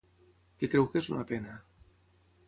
Què creu que és una pena?